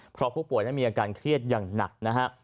เพราะผู้ป่วยนั้นมีอาการเครียดอย่างหนักนะฮะ